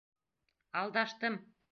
Алдаштым!